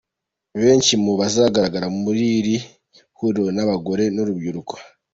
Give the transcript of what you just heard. Benshi mu bazagaragara muri iri huriro ni abagore n’urubyiruko